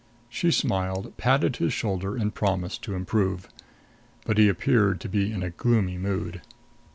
She smiled, patted his shoulder and promised to improve. But he appeared to be in a gloomy mood.